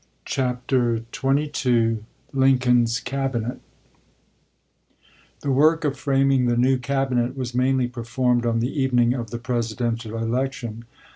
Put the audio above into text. CHAPTER XXII LINCOLN'S CABINET THE work of framing the new Cabinet was ch. xxii. mainly performed on the evening of the Presi eS weiiea, dential election.